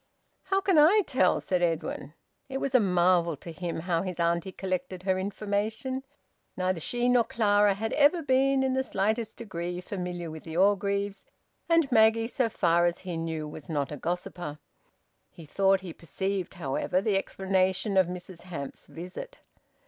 "How can I tell?" said Edwin. It was a marvel to him how his auntie collected her information. Neither she nor Clara had ever been in the slightest degree familiar with the Orgreaves, and Maggie, so far as he knew, was not a gossiper. He thought he perceived, however, the explanation of Mrs Hamps's visit.